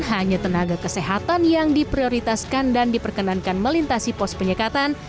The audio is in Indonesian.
hanya tenaga kesehatan yang diprioritaskan dan diperkenankan melintasi pos penyekatan